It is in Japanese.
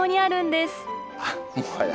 もはや。